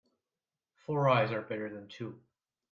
Four eyes are better than two.